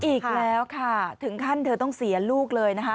อีกแล้วค่ะถึงขั้นเธอต้องเสียลูกเลยนะคะ